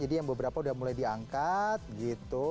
jadi yang beberapa sudah mulai diangkat gitu